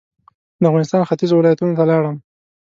د افغانستان ختيځو ولایتونو ته لاړم.